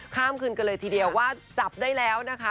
ข้ามคืนกันเลยทีเดียวว่าจับได้แล้วนะคะ